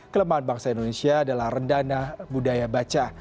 kelemahan bangsa indonesia adalah rendana budaya baca